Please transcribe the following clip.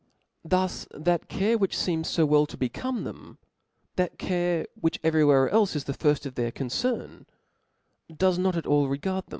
Thus that care which feems fo well to become them, that care which every where elfe is the firft of their con cern, does not at all regard then).